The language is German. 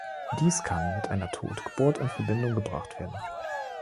Dies kann mit einer Totgeburt in Verbindung gebracht werden.